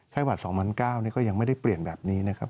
หวัด๒๙๐๐นี่ก็ยังไม่ได้เปลี่ยนแบบนี้นะครับ